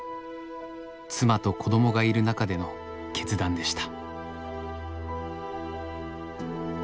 妻と子供がいる中での決断でした。